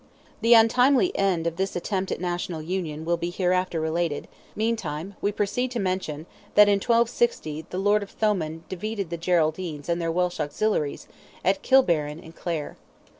The untimely end of this attempt at national union will be hereafter related; meantime, we proceed to mention that, in 1260, the Lord of Thomond defeated the Geraldines and their Welsh auxiliaries, at Kilbarran, in Clare.